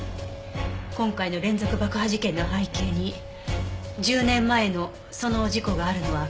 今回の連続爆破事件の背景に１０年前のその事故があるのは確実です。